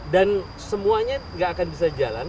dan semuanya tidak akan bisa jalan